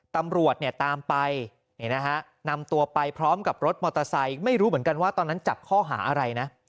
ตำรวจเนี่ยตามไปนำตัวไปพร้อมกับรถมอเตอร์ไซค์ไม่รู้เหมือนกันว่าตอนนั้นจับข้อหาอะไรนะ